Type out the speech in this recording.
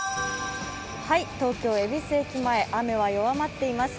東京・恵比寿駅前、雨は弱まっています。